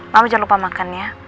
mama jangan lupa makan ya